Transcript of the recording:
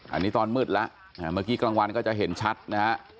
อันนี้ตอนมืดแล้วเมื่อกี้กลางวันก็จะเห็นชัดนะฮะ